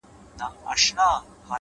ستا د ښار د ښایستونو په رنګ ـ رنګ یم ـ